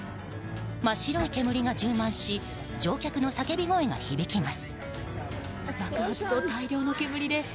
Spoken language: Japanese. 真っ白い煙が充満し乗客の叫び声が聞こえます。